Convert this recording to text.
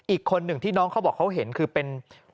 อีกคนหนึ่งที่น้องเขาบอกเขาเห็นคือเป็น